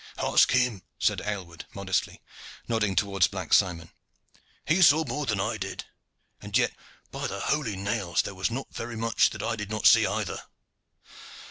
"Ask him!" said Aylward modestly, nodding towards Black Simon. "He saw more than I did. And yet, by the holy nails! there was not very much that I did not see either."